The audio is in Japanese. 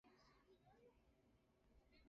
パソコン